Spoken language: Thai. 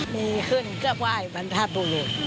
มีขึ้นก็ไหว้บรรพบุรุษ